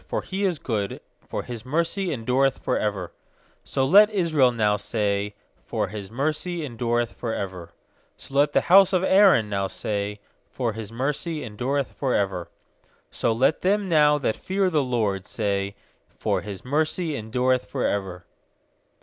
1X0 for He is good, For His mercy endureth for ever/ 2So let Israel now say, For His mercy endureth for ever. 8So let the bouse of Aaron now say, For His mercy endureth for ever. 4So let them now that fear the* LORD say, For His mercy endureth for ever.